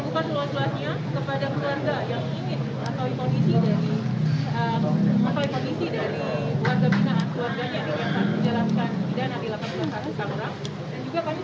kita akan melihat konferensi dari keluarga yang ingin mengetahui kondisi dari keluarga binaan keluarganya yang ingin menjelaskan bidang dari lapas kelas satu tangerang